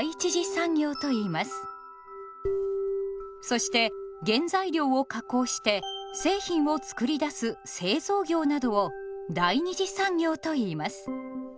そして原材料を加工して製品を作り出す製造業などを第二次産業といいます。